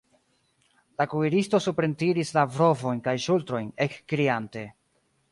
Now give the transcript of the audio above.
La kuiristo suprentiris la brovojn kaj ŝultrojn, ekkriante: